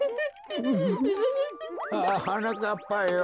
ああはなかっぱよ。